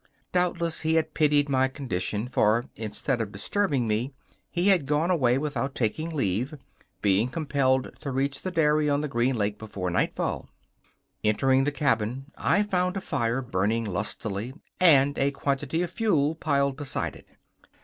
Doubtless he had pitied my condition, for, instead of disturbing me, he had gone away without taking leave, being compelled to reach the dairy on the Green Lake before nightfall. Entering the cabin, I found a fire burning lustily and a quantity of fuel piled beside it.